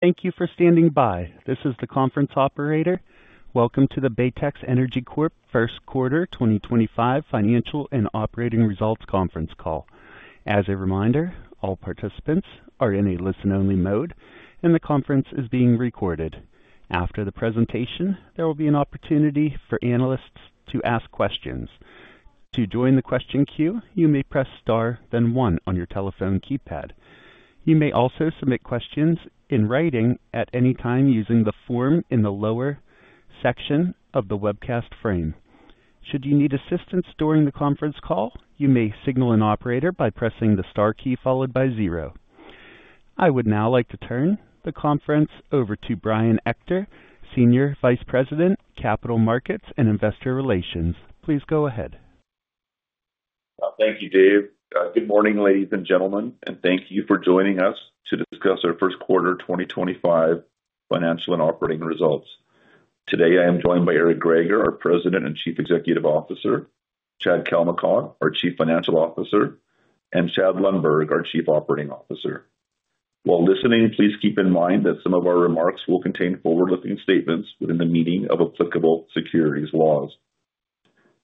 Thank you for standing by. This is the conference operator. Welcome to the Baytex Energy Corp First Quarter 2025 Financial and Operating Results Conference Call. As a reminder, all participants are in a listen-only mode, and the conference is being recorded. After the presentation, there will be an opportunity for analysts to ask questions. To join the question queue, you may press star, then one on your telephone keypad. You may also submit questions in writing at any time using the form in the lower section of the webcast frame. Should you need assistance during the conference call, you may signal an operator by pressing the star key followed by zero. I would now like to turn the conference over to Brian Ector, Senior Vice President, Capital Markets and Investor Relations. Please go ahead. Thank you, Dave. Good morning, ladies and gentlemen, and thank you for joining us to discuss our First Quarter 2025 Financial and Operating Results. Today, I am joined by Eric Greager, our President and Chief Executive Officer; Chad Kalmakoff, our Chief Financial Officer; and Chad Lundberg, our Chief Operating Officer. While listening, please keep in mind that some of our remarks will contain forward-looking statements within the meaning of applicable securities laws.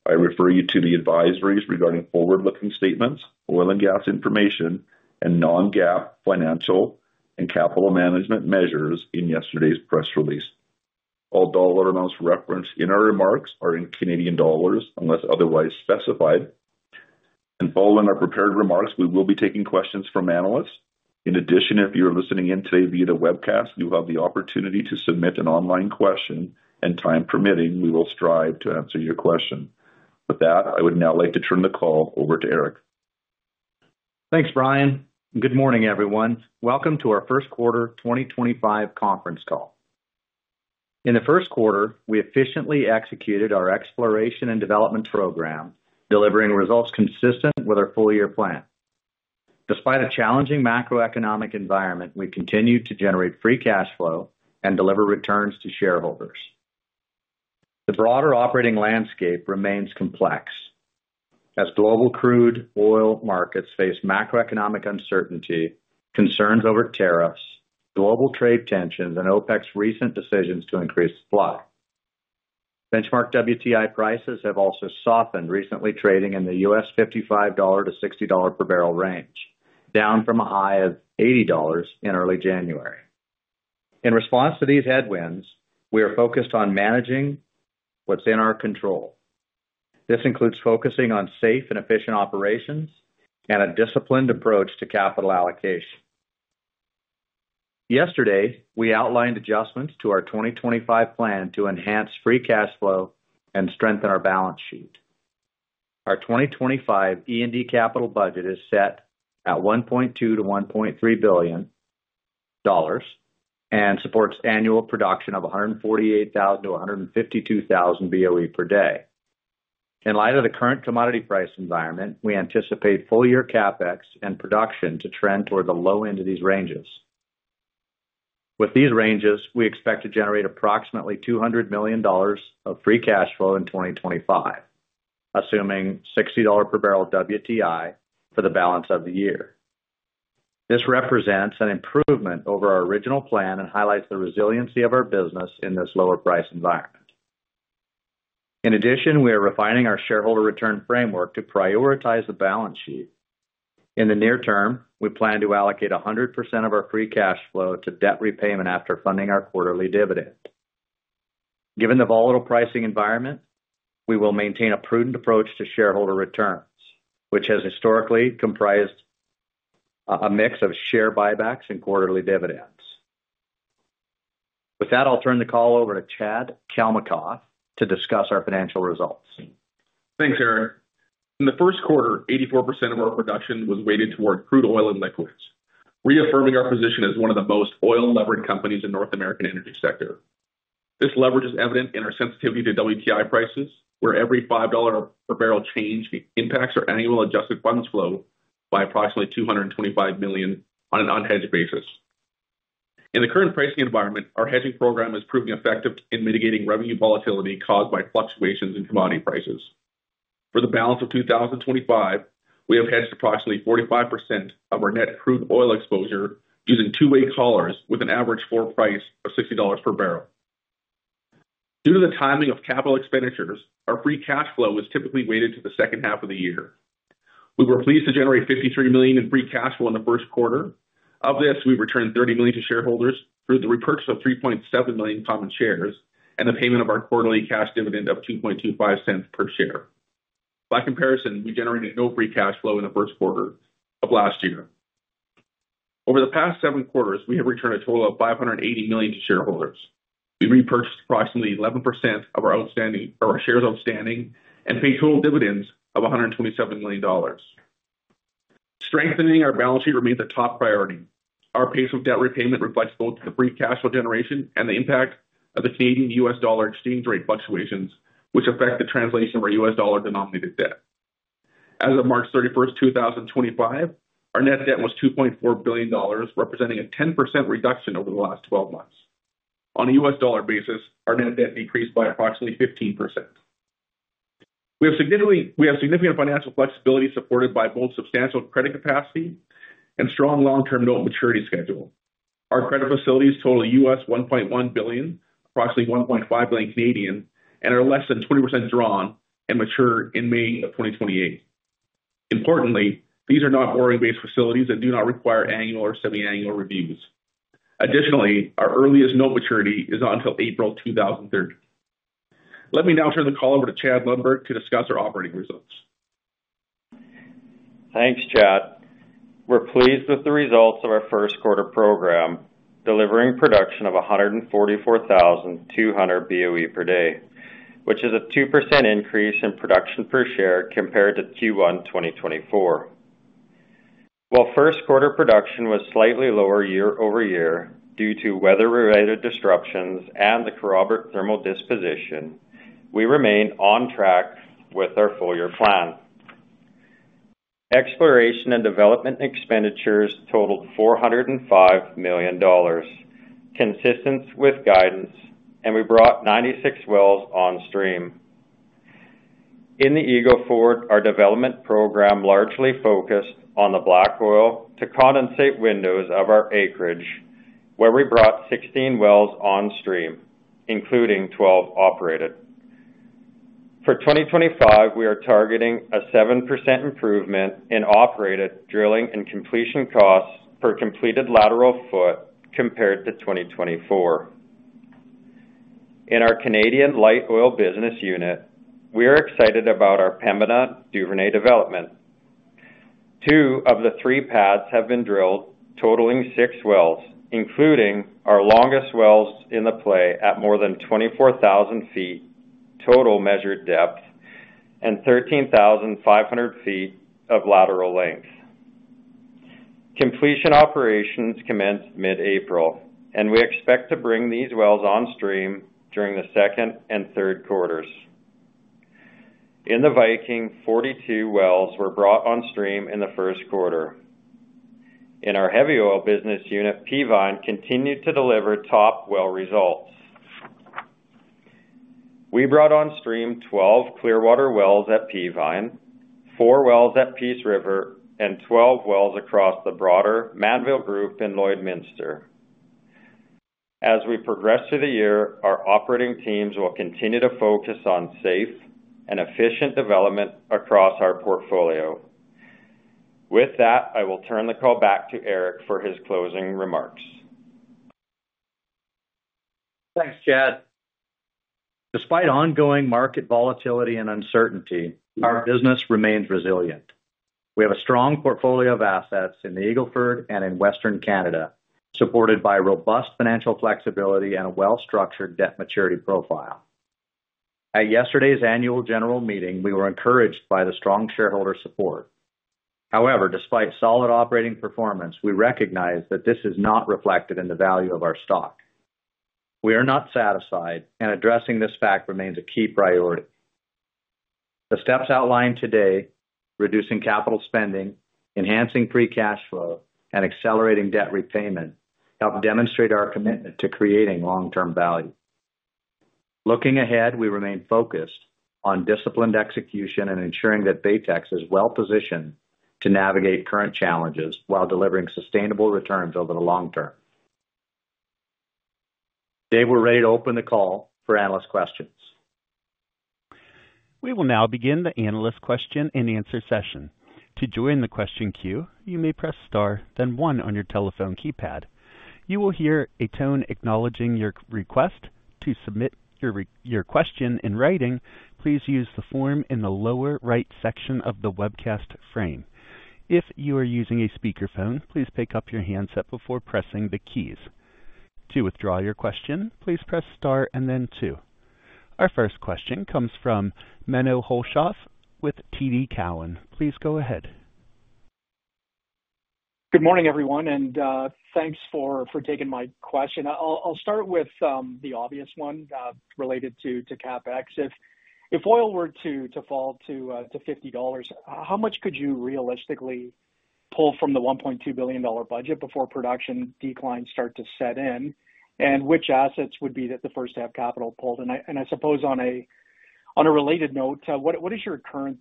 I refer you to the advisories regarding forward-looking statements, oil and gas information, and non-GAAP financial and capital management measures in yesterday's press release. All dollar amounts referenced in our remarks are in CAD unless otherwise specified. Following our prepared remarks, we will be taking questions from analysts. In addition, if you are listening in today via the webcast, you have the opportunity to submit an online question, and time permitting, we will strive to answer your question. With that, I would now like to turn the call over to Eric. Thanks, Brian. Good morning, everyone. Welcome to our First Quarter 2025 Conference Call. In the first quarter, we efficiently executed our exploration and development program, delivering results consistent with our full-year plan. Despite a challenging macroeconomic environment, we continued to generate free cash flow and deliver returns to shareholders. The broader operating landscape remains complex as global crude oil markets face macroeconomic uncertainty, concerns over tariffs, global trade tensions, and OPEC's recent decisions to increase supply. Benchmark WTI prices have also softened, recently trading in the $55-$60 per barrel range, down from a high of $80 in early January. In response to these headwinds, we are focused on managing what's in our control. This includes focusing on safe and efficient operations and a disciplined approach to capital allocation. Yesterday, we outlined adjustments to our 2025 plan to enhance free cash flow and strengthen our balance sheet. Our 2025 E&D capital budget is set at 1.2 billion-1.3 billion dollars and supports annual production of 148,000-152,000 BOE per day. In light of the current commodity price environment, we anticipate full-year CapEx and production to trend toward the low end of these ranges. With these ranges, we expect to generate approximately 200 million dollars of free cash flow in 2025, assuming $60 per barrel WTI for the balance of the year. This represents an improvement over our original plan and highlights the resiliency of our business in this lower price environment. In addition, we are refining our shareholder return framework to prioritize the balance sheet. In the near term, we plan to allocate 100% of our free cash flow to debt repayment after funding our quarterly dividend. Given the volatile pricing environment, we will maintain a prudent approach to shareholder returns, which has historically comprised a mix of share buybacks and quarterly dividends. With that, I'll turn the call over to Chad Kalmakoff to discuss our financial results. Thanks, Eric. In the first quarter, 84% of our production was weighted toward crude oil and liquids, reaffirming our position as one of the most oil-leveraged companies in the North American energy sector. This leverage is evident in our sensitivity to WTI prices, where every $5 per barrel change impacts our annual adjusted funds flow by approximately $225 million on an unhedged basis. In the current pricing environment, our hedging program is proving effective in mitigating revenue volatility caused by fluctuations in commodity prices. For the balance of 2025, we have hedged approximately 45% of our net crude oil exposure using two-way collars with an average floor price of $60 per barrel. Due to the timing of capital expenditures, our free cash flow is typically weighted to the second half of the year. We were pleased to generate $53 million in free cash flow in the first quarter. Of this, we returned 30 million to shareholders through the repurchase of 3.7 million common shares and the payment of our quarterly cash dividend of 2.25 per share. By comparison, we generated no free cash flow in the first quarter of last year. Over the past seven quarters, we have returned a total of 580 million to shareholders. We repurchased approximately 11% of our shares outstanding and paid total dividends of 127 million dollars. Strengthening our balance sheet remains a top priority. Our pace of debt repayment reflects both the free cash flow generation and the impact of the Canadian-US dollar exchange rate fluctuations, which affect the translation of our US dollar-denominated debt. As of March 31, 2025, our net debt was 2.4 billion dollars, representing a 10% reduction over the last 12 months. On a US dollar basis, our net debt decreased by approximately 15%. We have significant financial flexibility supported by both substantial credit capacity and strong long-term note maturity schedule. Our credit facilities total $1.1 billion, approximately 1.5 billion, and are less than 20% drawn and mature in May of 2028. Importantly, these are not borrowing-based facilities and do not require annual or semiannual reviews. Additionally, our earliest note maturity is not until April 2030. Let me now turn the call over to Chad Lundberg to discuss our operating results. Thanks, Chad. We're pleased with the results of our first quarter program, delivering production of 144,200 BOE per day, which is a 2% increase in production per share compared to Q1 2024. While first-quarter production was slightly lower year-over-year due to weather-related disruptions and the corroborative thermal disposition, we remain on track with our full-year plan. Exploration and development expenditures totaled 405 million dollars, consistent with guidance, and we brought 96 wells on stream. In the Eagle Ford, our development program largely focused on the black oil to condensate windows of our acreage, where we brought 16 wells on stream, including 12 operated. For 2025, we are targeting a 7% improvement in operated drilling and completion costs per completed lateral foot compared to 2024. In our Canadian light oil business unit, we are excited about our Pembina Duvernay development. Two of the three pads have been drilled, totaling six wells, including our longest wells in the play at more than 24,000 ft total measured depth and 13,500 ft of lateral length. Completion operations commenced mid-April, and we expect to bring these wells on stream during the second and third quarters. In the Viking, 42 wells were brought on stream in the first quarter. In our heavy oil business unit, Peavine continued to deliver top well results. We brought on stream 12 Clearwater wells at Peavine, 4 wells at Peace River, and 12 wells across the broader Mannville Group in Lloydminster. As we progress through the year, our operating teams will continue to focus on safe and efficient development across our portfolio. With that, I will turn the call back to Eric for his closing remarks. Thanks, Chad. Despite ongoing market volatility and uncertainty, our business remains resilient. We have a strong portfolio of assets in the Eagle Ford and in Western Canada, supported by robust financial flexibility and a well-structured debt maturity profile. At yesterday's annual general meeting, we were encouraged by the strong shareholder support. However, despite solid operating performance, we recognize that this is not reflected in the value of our stock. We are not satisfied, and addressing this fact remains a key priority. The steps outlined today—reducing capital spending, enhancing free cash flow, and accelerating debt repayment—help demonstrate our commitment to creating long-term value. Looking ahead, we remain focused on disciplined execution and ensuring that Baytex is well-positioned to navigate current challenges while delivering sustainable returns over the long term. Dave, we're ready to open the call for analyst questions. We will now begin the analyst question and answer session. To join the question queue, you may press star, then one on your telephone keypad. You will hear a tone acknowledging your request to submit your question in writing. Please use the form in the lower right section of the webcast frame. If you are using a speakerphone, please pick up your handset before pressing the keys. To withdraw your question, please press star and then two. Our first question comes from Menno Hulshof with TD Cowen. Please go ahead. Good morning, everyone, and thanks for taking my question. I'll start with the obvious one related to CapEx. If oil were to fall to $50, how much could you realistically pull from the $1.2 billion budget before production declines start to set in? Which assets would be the first to have capital pulled? I suppose on a related note, what is your current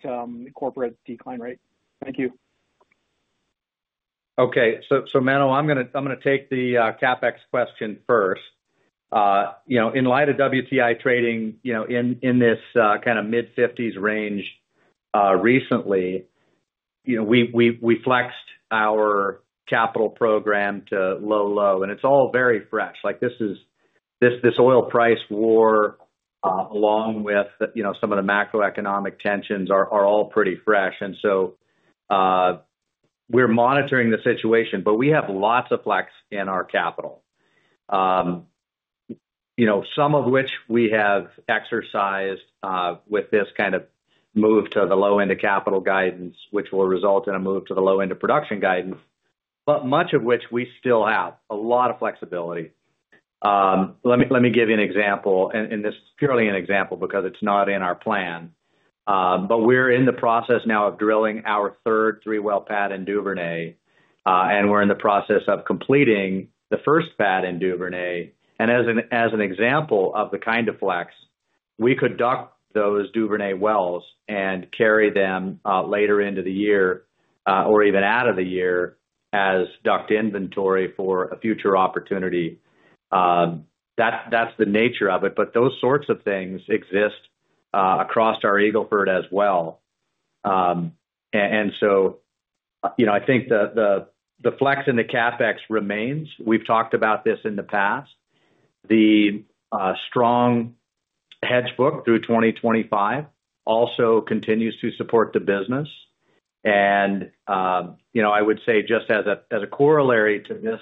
corporate decline rate? Thank you. Okay. Menno, I'm going to take the CapEx question first. In light of WTI trading in this kind of mid-50s range recently, we flexed our capital program to low, low, and it's all very fresh. This oil price war, along with some of the macroeconomic tensions, are all pretty fresh. We are monitoring the situation, but we have lots of flex in our capital, some of which we have exercised with this kind of move to the low end of capital guidance, which will result in a move to the low end of production guidance, but much of which we still have a lot of flexibility. Let me give you an example, and this is purely an example because it's not in our plan, but we're in the process now of drilling our third three-well pad in Duvernay, and we're in the process of completing the first pad in Duvernay. As an example of the kind of flex, we could dock those Duvernay wells and carry them later into the year or even out of the year as docked inventory for a future opportunity. That's the nature of it, but those sorts of things exist across our Eagle Ford as well. I think the flex in the CapEx remains. We've talked about this in the past. The strong hedge book through 2025 also continues to support the business. I would say, just as a corollary to this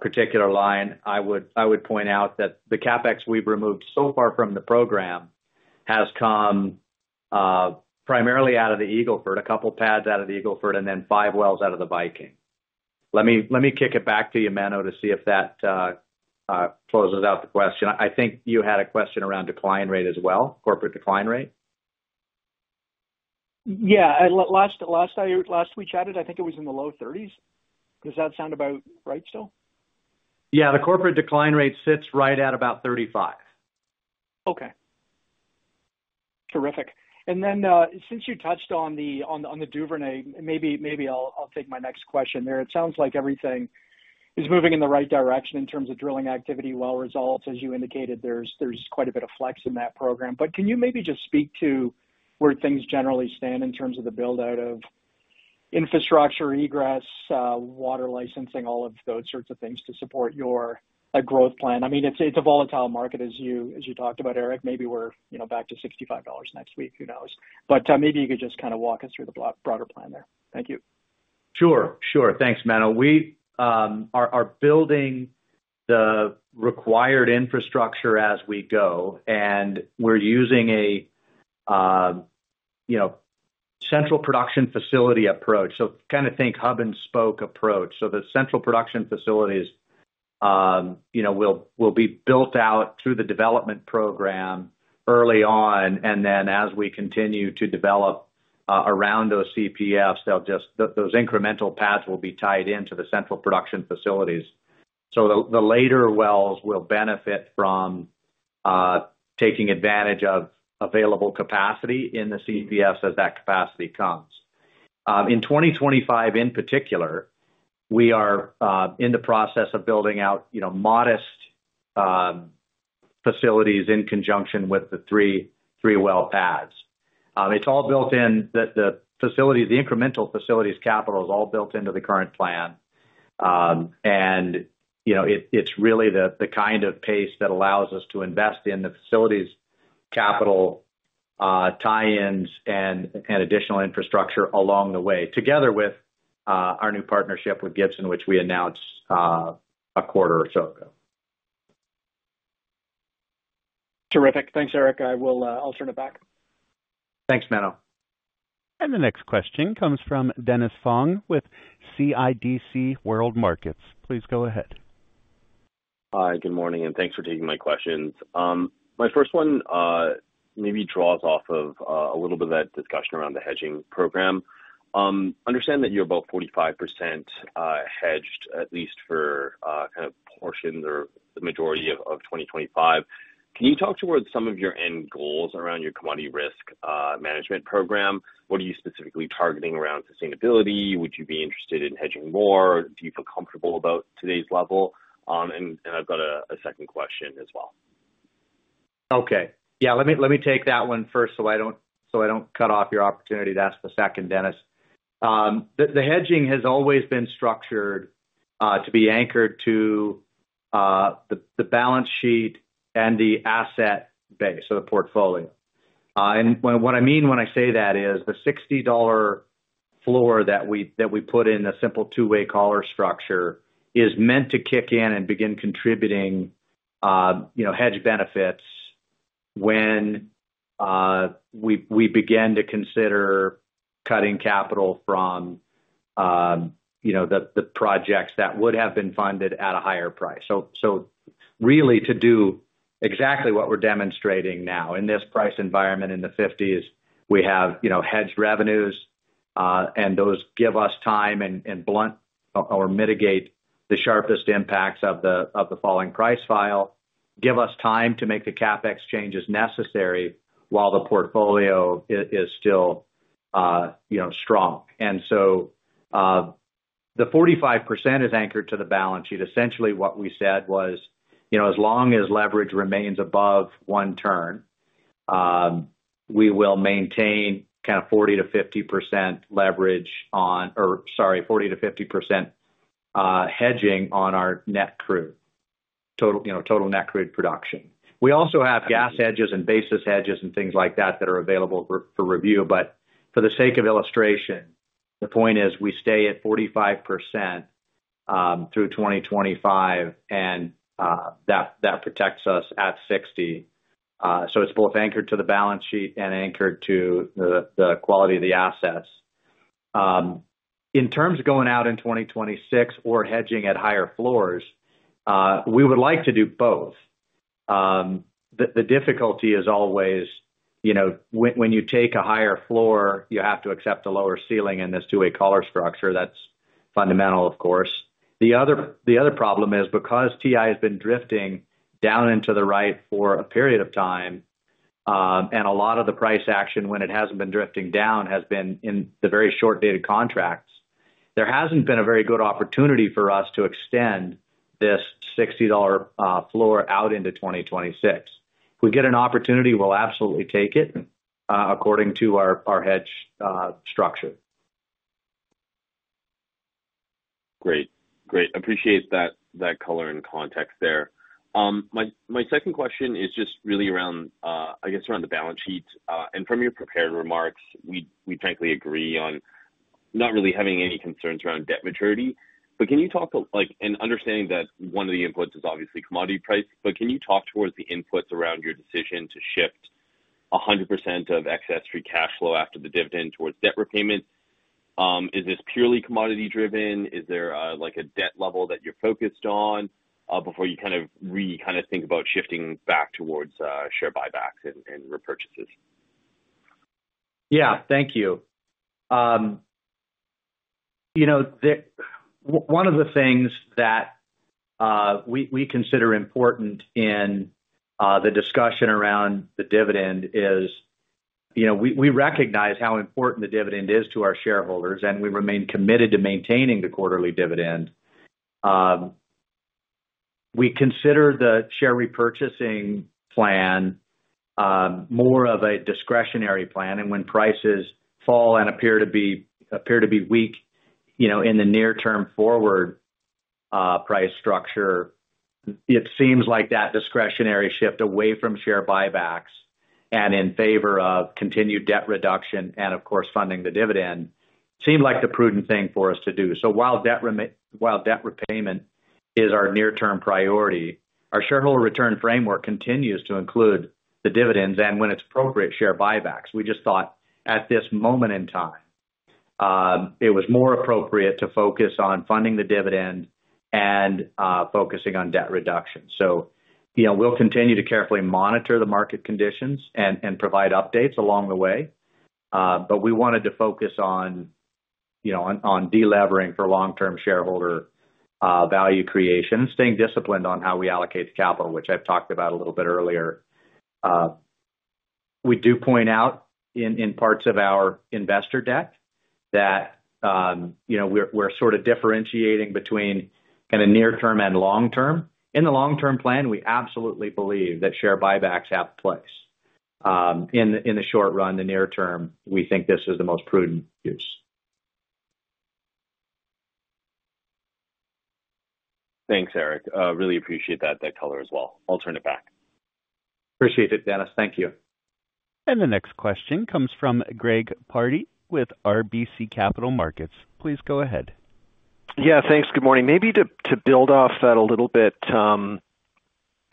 particular line, I would point out that the CapEx we've removed so far from the program has come primarily out of the Eagle Ford, a couple of pads out of the Eagle Ford, and then five wells out of the Viking. Let me kick it back to you, Menno, to see if that closes out the question. I think you had a question around decline rate as well, corporate decline rate. Yeah. Last we chatted, I think it was in the low 30s. Does that sound about right still? Yeah. The corporate decline rate sits right at about 35%. Okay. Terrific. Since you touched on the Duvernay, maybe I'll take my next question there. It sounds like everything is moving in the right direction in terms of drilling activity, well results. As you indicated, there's quite a bit of flex in that program. Can you maybe just speak to where things generally stand in terms of the build-out of infrastructure, egress, water licensing, all of those sorts of things to support your growth plan? I mean, it's a volatile market, as you talked about, Eric. Maybe we're back to $65 next week. Who knows? Maybe you could just kind of walk us through the broader plan there. Thank you. Sure. Sure. Thanks, Menno. We are building the required infrastructure as we go, and we're using a central production facility approach. Kind of think hub-and-spoke approach. The central production facilities will be built out through the development program early on, and then as we continue to develop around those CPFs, those incremental pads will be tied into the central production facilities. The later wells will benefit from taking advantage of available capacity in the CPFs as that capacity comes. In 2025, in particular, we are in the process of building out modest facilities in conjunction with the three-well pads. It's all built in. The incremental facilities capital is all built into the current plan, and it's really the kind of pace that allows us to invest in the facilities capital, tie-ins, and additional infrastructure along the way, together with our new partnership with Gibson Energy, which we announced a quarter or so ago. Terrific. Thanks, Eric. I'll turn it back. Thanks, Menno. The next question comes from Dennis Fong with CIBC World Markets. Please go ahead. Hi. Good morning, and thanks for taking my questions. My first one maybe draws off of a little bit of that discussion around the hedging program. I understand that you're about 45% hedged, at least for kind of portions or the majority of 2025. Can you talk towards some of your end goals around your commodity risk management program? What are you specifically targeting around sustainability? Would you be interested in hedging more? Do you feel comfortable about today's level? I have got a second question as well. Okay. Yeah. Let me take that one first so I do not cut off your opportunity to ask the second, Dennis. The hedging has always been structured to be anchored to the balance sheet and the asset base of the portfolio. What I mean when I say that is the $60 floor that we put in a simple two-way collar structure is meant to kick in and begin contributing hedge benefits when we begin to consider cutting capital from the projects that would have been funded at a higher price. Really, to do exactly what we are demonstrating now. In this price environment in the 50s, we have hedged revenues, and those give us time and mitigate the sharpest impacts of the falling price file, give us time to make the CapEx changes necessary while the portfolio is still strong. The 45% is anchored to the balance sheet. Essentially, what we said was, as long as leverage remains above one turn, we will maintain kind of 40-50% leverage on, or sorry, 40-50% hedging on our net crude, total net crude production. We also have gas hedges and basis hedges and things like that that are available for review. For the sake of illustration, the point is we stay at 45% through 2025, and that protects us at $60. It is both anchored to the balance sheet and anchored to the quality of the assets. In terms of going out in 2026 or hedging at higher floors, we would like to do both. The difficulty is always when you take a higher floor, you have to accept a lower ceiling in this two-way collar structure. That is fundamental, of course. The other problem is because WTI has been drifting down and to the right for a period of time, and a lot of the price action when it hasn't been drifting down has been in the very short-dated contracts, there hasn't been a very good opportunity for us to extend this $60 floor out into 2026. If we get an opportunity, we'll absolutely take it according to our hedge structure. Great. Great. I appreciate that color and context there. My second question is just really around, I guess, around the balance sheet. From your prepared remarks, we frankly agree on not really having any concerns around debt maturity. Can you talk to, and understanding that one of the inputs is obviously commodity price, can you talk towards the inputs around your decision to shift 100% of excess free cash flow after the dividend towards debt repayment? Is this purely commodity-driven? Is there a debt level that you're focused on before you kind of re-kind of think about shifting back towards share buybacks and repurchases? Yeah. Thank you. One of the things that we consider important in the discussion around the dividend is we recognize how important the dividend is to our shareholders, and we remain committed to maintaining the quarterly dividend. We consider the share repurchasing plan more of a discretionary plan. When prices fall and appear to be weak in the near-term forward price structure, it seems like that discretionary shift away from share buybacks and in favor of continued debt reduction and, of course, funding the dividend seemed like the prudent thing for us to do. While debt repayment is our near-term priority, our shareholder return framework continues to include the dividends and, when it's appropriate, share buybacks. We just thought at this moment in time, it was more appropriate to focus on funding the dividend and focusing on debt reduction. We will continue to carefully monitor the market conditions and provide updates along the way. We wanted to focus on delevering for long-term shareholder value creation, staying disciplined on how we allocate the capital, which I have talked about a little bit earlier. We do point out in parts of our investor deck that we are sort of differentiating between kind of near-term and long-term. In the long-term plan, we absolutely believe that share buybacks have place. In the short run, the near-term, we think this is the most prudent use. Thanks, Eric. Really appreciate that color as well. I'll turn it back. Appreciate it, Dennis. Thank you. The next question comes from Greg Pardy with RBC Capital Markets. Please go ahead. Yeah. Thanks. Good morning. Maybe to build off that a little bit,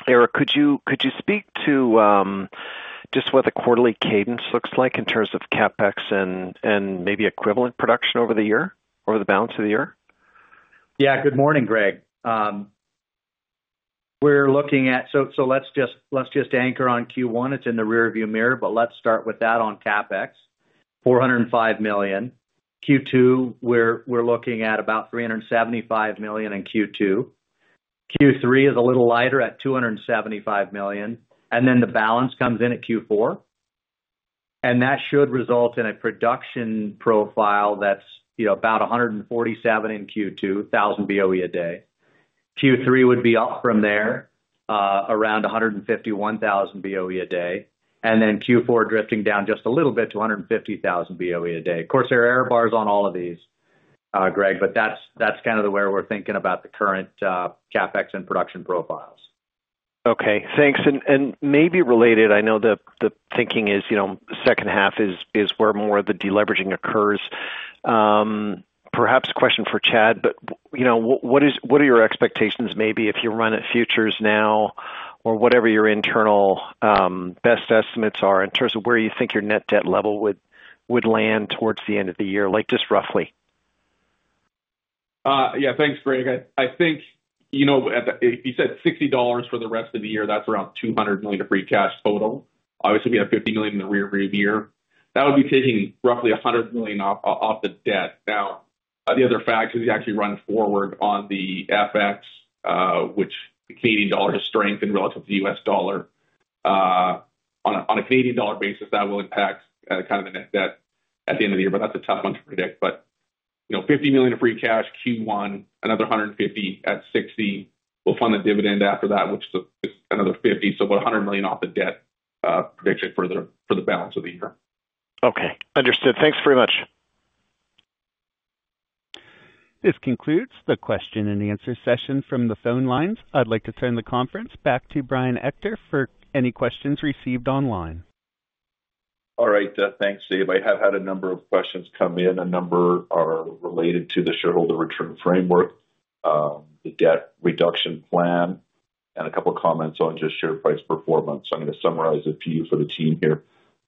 Eric, could you speak to just what the quarterly cadence looks like in terms of CapEx and maybe equivalent production over the year, over the balance of the year? Yeah. Good morning, Greg. We're looking at, so let's just anchor on Q1. It's in the rearview mirror, but let's start with that on CapEx: 405 million. Q2, we're looking at about 375 million in Q2. Q3 is a little lighter at 275 million. The balance comes in at Q4. That should result in a production profile that's about 147,000 BOE a day in Q2. Q3 would be up from there around 151,000 BOE a day. Q4 drifting down just a little bit to 150,000 BOE a day. Of course, there are error bars on all of these, Greg, but that's kind of where we're thinking about the current CapEx and production profiles. Okay. Thanks. Maybe related, I know the thinking is second half is where more of the deleveraging occurs. Perhaps a question for Chad, but what are your expectations maybe if you run at futures now or whatever your internal best estimates are in terms of where you think your net debt level would land towards the end of the year, just roughly? Yeah. Thanks, Greg. I think if you said $60 for the rest of the year, that's around 200 million of free cash total. Obviously, we have 50 million in the rearview mirror. That would be taking roughly 100 million off the debt. Now, the other factor is you actually run forward on the FX, which the Canadian dollar has strengthened relative to the US dollar. On a Canadian dollar basis, that will impact kind of the net debt at the end of the year, but that's a tough one to predict. But 50 million of free cash Q1, another 150 million at $60. We'll fund the dividend after that, which is another 50 million. About 100 million off the debt prediction for the balance of the year. Okay. Understood. Thanks very much. This concludes the question and answer session from the phone lines. I'd like to turn the conference back to Brian Ector for any questions received online. All right. Thanks, Steve. I have had a number of questions come in. A number are related to the shareholder return framework, the debt reduction plan, and a couple of comments on just share price performance. I'm going to summarize it for you for the team here.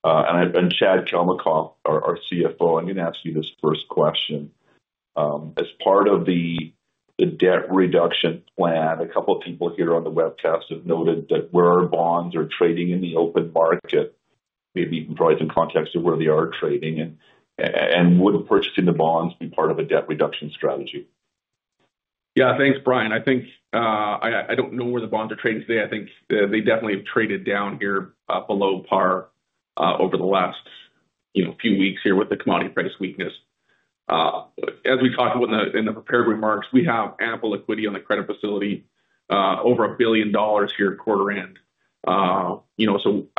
Chad Kalmakoff, our CFO, I'm going to ask you this first question. As part of the debt reduction plan, a couple of people here on the webcast have noted that where our bonds are trading in the open market, maybe you can provide some context of where they are trading, and would purchasing the bonds be part of a debt reduction strategy? Yeah. Thanks, Brian. I do not know where the bonds are trading today. I think they definitely have traded down here below par over the last few weeks here with the commodity price weakness. As we talked about in the prepared remarks, we have ample liquidity on the credit facility, over 1 billion dollars here at quarter end. I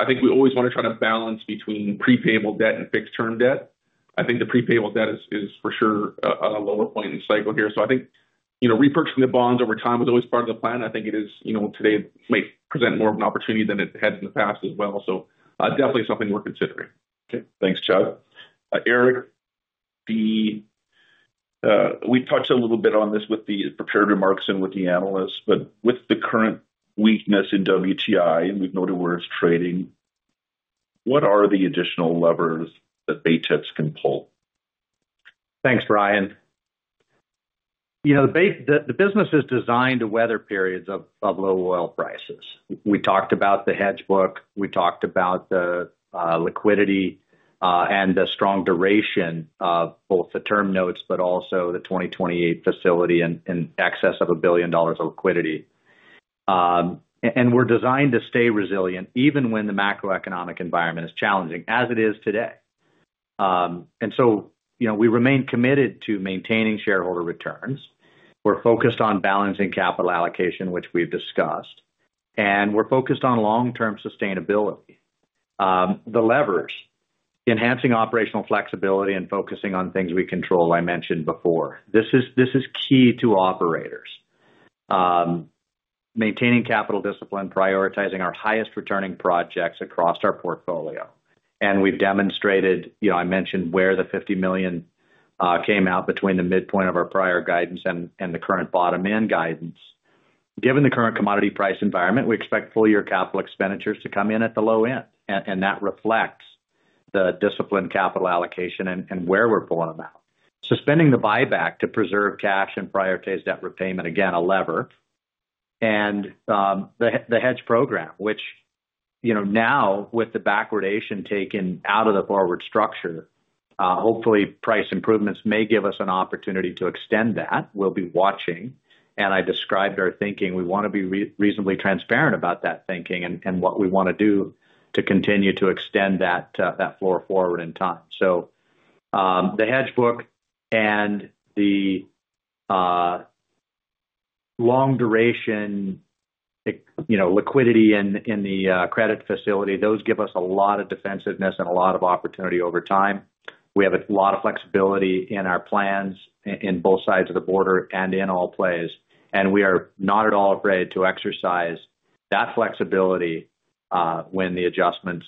think we always want to try to balance between prepayable debt and fixed-term debt. I think the prepayable debt is for sure a lower point in the cycle here. I think repurchasing the bonds over time is always part of the plan. I think today may present more of an opportunity than it has in the past as well. Definitely something we are considering. Okay. Thanks, Chad. Eric, we touched a little bit on this with the prepared remarks and with the analysts, but with the current weakness in WTI, and we've noted where it's trading, what are the additional levers that Baytex can pull? Thanks, Brian. The business is designed to weather periods of low oil prices. We talked about the hedge book. We talked about the liquidity and the strong duration of both the term notes, but also the 2028 facility and excess of 1 billion dollars of liquidity. We are designed to stay resilient even when the macroeconomic environment is challenging, as it is today. We remain committed to maintaining shareholder returns. We are focused on balancing capital allocation, which we have discussed. We are focused on long-term sustainability. The levers, enhancing operational flexibility and focusing on things we control, I mentioned before. This is key to operators. Maintaining capital discipline, prioritizing our highest returning projects across our portfolio. We have demonstrated, I mentioned where the 50 million came out between the midpoint of our prior guidance and the current bottom end guidance. Given the current commodity price environment, we expect full-year capital expenditures to come in at the low end. That reflects the disciplined capital allocation and where we're pulling them out. Suspending the buyback to preserve cash and prioritize debt repayment, again, a lever. The hedge program, which now with the backwardation taken out of the forward structure, hopefully price improvements may give us an opportunity to extend that. We'll be watching. I described our thinking. We want to be reasonably transparent about that thinking and what we want to do to continue to extend that floor forward in time. The hedge book and the long-duration liquidity in the credit facility, those give us a lot of defensiveness and a lot of opportunity over time. We have a lot of flexibility in our plans in both sides of the border and in all plays. We are not at all afraid to exercise that flexibility when the adjustments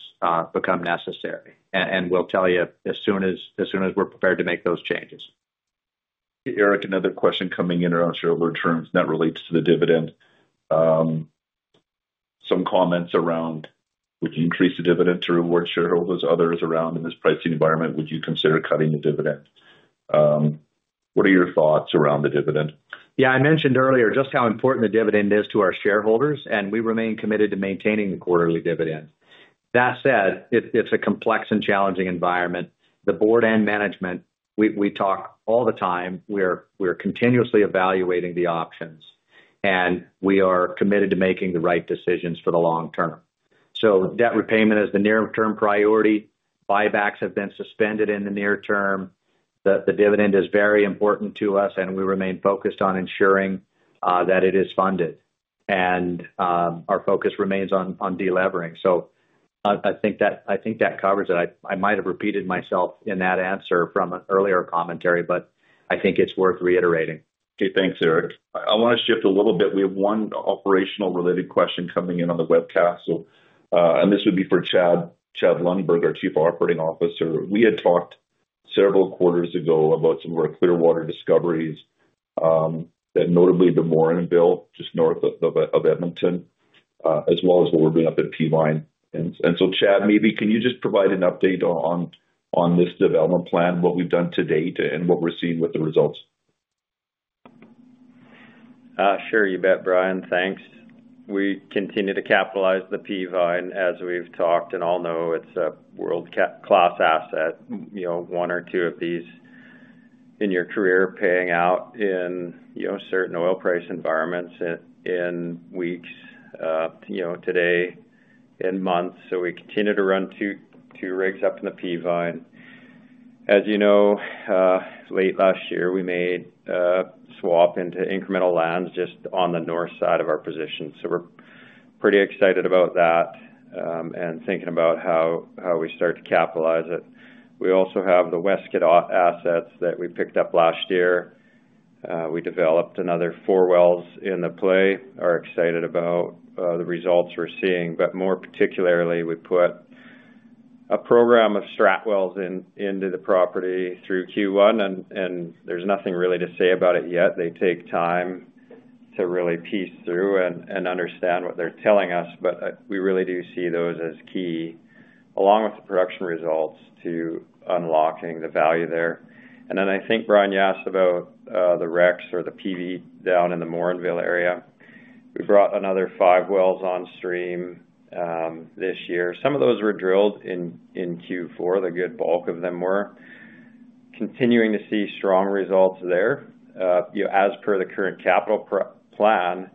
become necessary. We will tell you as soon as we are prepared to make those changes. Eric, another question coming in around shareholder terms that relates to the dividend. Some comments around, would you increase the dividend to reward shareholders? Others around in this pricing environment, would you consider cutting the dividend? What are your thoughts around the dividend? Yeah. I mentioned earlier just how important the dividend is to our shareholders, and we remain committed to maintaining the quarterly dividend. That said, it is a complex and challenging environment. The board and management, we talk all the time. We are continuously evaluating the options, and we are committed to making the right decisions for the long term. Debt repayment is the near-term priority. Buybacks have been suspended in the near term. The dividend is very important to us, and we remain focused on ensuring that it is funded. Our focus remains on delevering. I think that covers it. I might have repeated myself in that answer from an earlier commentary, but I think it is worth reiterating. Okay. Thanks, Eric. I want to shift a little bit. We have one operational-related question coming in on the webcast. This would be for Chad Lundberg, our Chief Operating Officer. We had talked several quarters ago about some of our Clearwater discoveries, notably the Mannville just north of Edmonton, as well as what we're doing up at Peavine. Chad, maybe can you just provide an update on this development plan, what we've done to date and what we're seeing with the results? Sure. You bet, Brian. Thanks. We continue to capitalize the Peavine as we've talked. And I'll note it's a world-class asset. One or two of these in your career paying out in certain oil price environments in weeks, today, in months. We continue to run two rigs up in the Peavine. As you know, late last year, we made a swap into incremental lands just on the north side of our position. We're pretty excited about that and thinking about how we start to capitalize it. We also have the West Kett assets that we picked up last year. We developed another four wells in the play. Are excited about the results we're seeing. More particularly, we put a program of strat wells into the property through Q1, and there's nothing really to say about it yet. They take time to really piece through and understand what they're telling us. We really do see those as key, along with the production results, to unlocking the value there. I think Brian asked about the Rex or the PV down in the Mannville area. We brought another five wells on stream this year. Some of those were drilled in Q4. The good bulk of them were continuing to see strong results there. As per the current capital plan,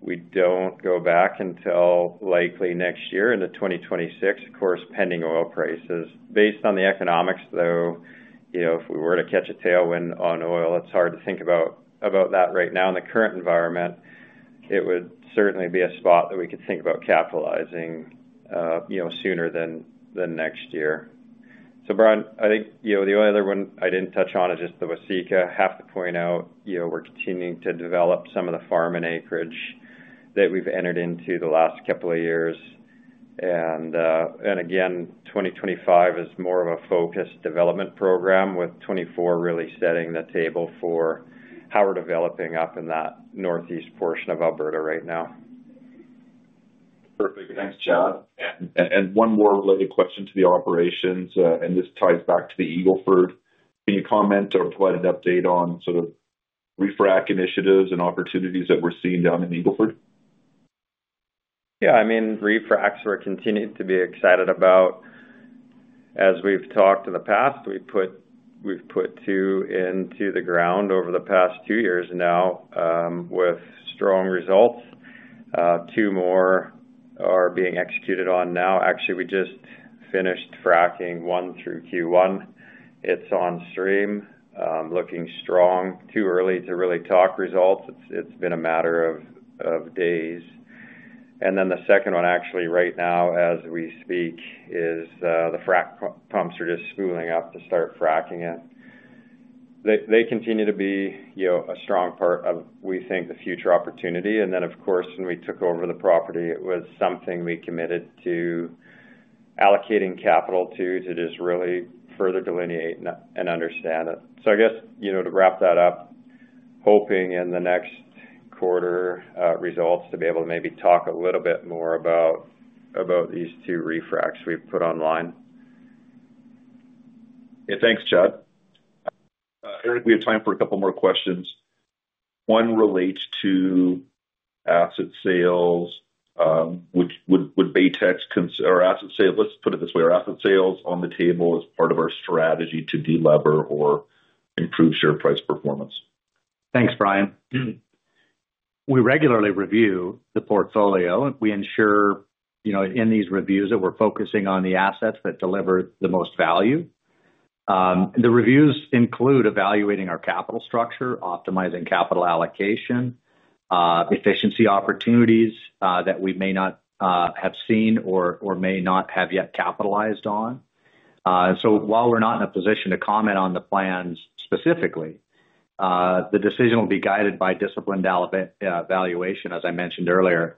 we do not go back until likely next year into 2026, of course, pending oil prices. Based on the economics, though, if we were to catch a tailwind on oil, it is hard to think about that right now. In the current environment, it would certainly be a spot that we could think about capitalizing sooner than next year. Brian, I think the only other one I did not touch on is just the Waseca. I have to point out we are continuing to develop some of the farm and acreage that we have entered into the last couple of years. Again, 2025 is more of a focused development program, with 2024 really setting the table for how we are developing up in that northeast portion of Alberta right now. Perfect. Thanks, Chad. One more related question to the operations. This ties back to the Eagle Ford. Can you comment or provide an update on sort of refrac initiatives and opportunities that we're seeing down in Eagle Ford? Yeah. I mean, refracts are continuing to be excited about. As we've talked in the past, we've put two into the ground over the past two years now with strong results. Two more are being executed on now. Actually, we just finished fracking one through Q1. It's on stream, looking strong. Too early to really talk results. It's been a matter of days. The second one, actually, right now as we speak, the fract pumps are just spooling up to start fracking it. They continue to be a strong part of, we think, the future opportunity. Of course, when we took over the property, it was something we committed to allocating capital to, to just really further delineate and understand it. I guess to wrap that up, hoping in the next quarter results to be able to maybe talk a little bit more about these two refracts we've put online. Yeah. Thanks, Chad. Eric, we have time for a couple more questions. One relates to asset sales. Would Baytex or asset sales—let's put it this way—or asset sales on the table as part of our strategy to delever or improve share price performance? Thanks, Brian. We regularly review the portfolio. We ensure in these reviews that we're focusing on the assets that deliver the most value. The reviews include evaluating our capital structure, optimizing capital allocation, efficiency opportunities that we may not have seen or may not have yet capitalized on. While we're not in a position to comment on the plans specifically, the decision will be guided by disciplined evaluation, as I mentioned earlier.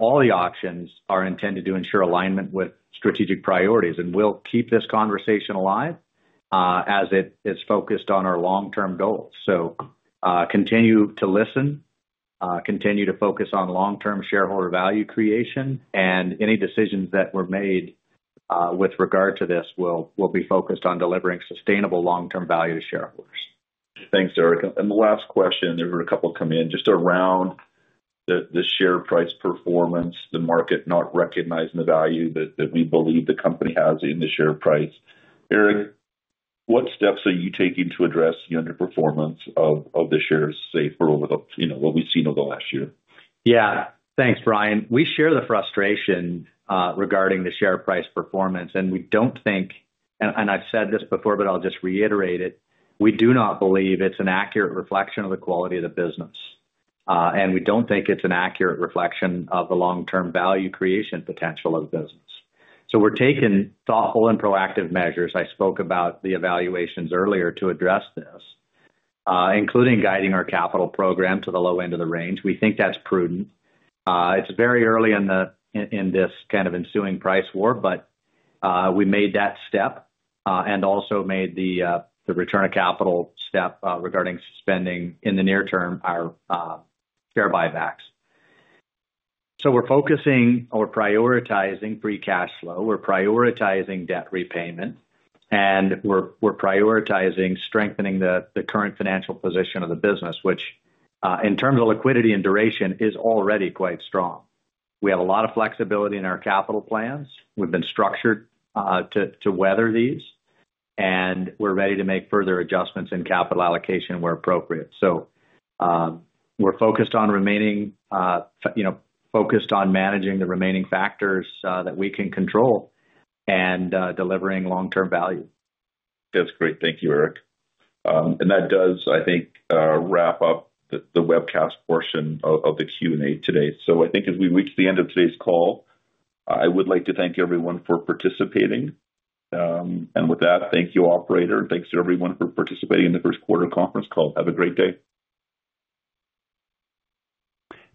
All the options are intended to ensure alignment with strategic priorities. We'll keep this conversation alive as it is focused on our long-term goals. Continue to listen, continue to focus on long-term shareholder value creation. Any decisions that were made with regard to this will be focused on delivering sustainable long-term value to shareholders. Thanks, Eric. The last question, there were a couple coming in just around the share price performance, the market not recognizing the value that we believe the company has in the share price. Eric, what steps are you taking to address the underperformance of the shares, say, over what we've seen over the last year? Yeah. Thanks, Brian. We share the frustration regarding the share price performance. We do not think—and I've said this before, but I'll just reiterate it—we do not believe it's an accurate reflection of the quality of the business. We do not think it's an accurate reflection of the long-term value creation potential of the business. We are taking thoughtful and proactive measures. I spoke about the evaluations earlier to address this, including guiding our capital program to the low end of the range. We think that's prudent. It's very early in this kind of ensuing price war, but we made that step and also made the return of capital step regarding suspending in the near term our share buybacks. We are focusing or prioritizing free cash flow. We are prioritizing debt repayment. We're prioritizing strengthening the current financial position of the business, which in terms of liquidity and duration is already quite strong. We have a lot of flexibility in our capital plans. We've been structured to weather these. We're ready to make further adjustments in capital allocation where appropriate. We're focused on remaining focused on managing the remaining factors that we can control and delivering long-term value. That's great. Thank you, Eric. That does, I think, wrap up the webcast portion of the Q&A today. I think as we reach the end of today's call, I would like to thank everyone for participating. With that, thank you, operator. Thanks to everyone for participating in the first quarter conference call. Have a great day.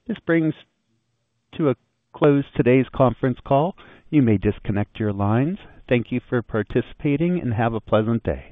This brings to a close today's conference call. You may disconnect your lines. Thank you for participating and have a pleasant day.